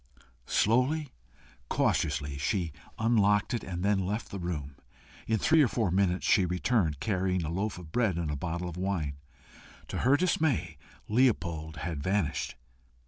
Slowly, cautiously, she unlocked it, and left the room. In three or four minutes she returned, carrying a loaf of bread and a bottle of wine. To her dismay Leopold had vanished.